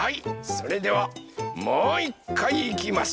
それではもういっかいいきます！